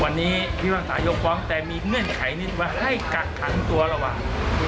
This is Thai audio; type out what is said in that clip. วันนี้พิพากษายกฟ้องแต่มีเงื่อนไขนิดว่าให้กักขังตัวระหว่าง